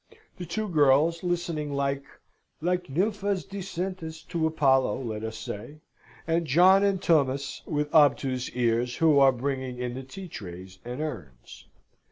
the two girls, listening like like nymphas discentes to Apollo, let us say; and John and Tummas (with obtuse ears), who are bringing in the tea trays and urns.